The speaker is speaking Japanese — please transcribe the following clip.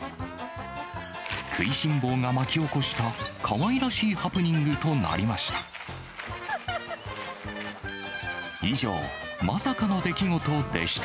食いしん坊が巻き起こした、かわいらしいハプニングとなりました。